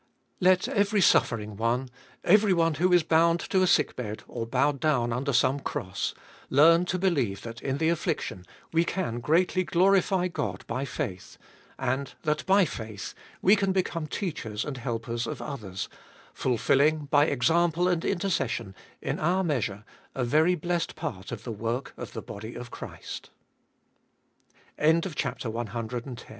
2. Let every suffering one, everyone who is bound to a sick bed or bowed down under some cross, learn to believe that in the affliction we can greatly glorify God by faith, and that by faith we can become teachers and helpers of others, fulfilling, by example and intercession, In oar measure, a very blessed part of the work of the body of Chris